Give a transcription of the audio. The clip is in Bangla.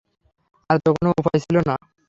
আর তো কোনো উপায় ছিল না।